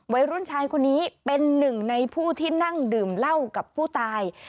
วัยรุ่นชายคนนี้เป็นหนึ่งในผู้ที่นั่งดื่มเหล้ากับผู้ตาย